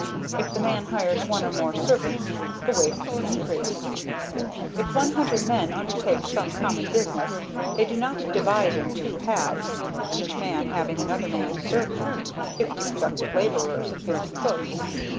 If the man hires one or more servants, the wastes increase. If one hundred men undertake some common business, they do not divide in two halves, each man having another man to serve him fifty productive laborers, and fifty cooks.